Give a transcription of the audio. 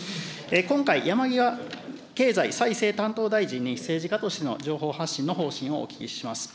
今回、山際経済再生担当大臣に政治家としての情報発信の方針をお聞きします。